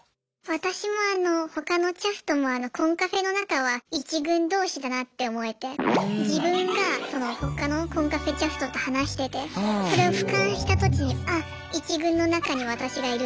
私もあの他のキャストもコンカフェの中は１軍どうしだなって思えて自分が他のコンカフェキャストと話しててそれをふかんした時にああ１軍の中に私がいるって思えて。